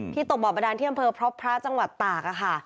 ที่ตกบอบบันดาลเที่ยมเภอพระพระจังหวัดตาก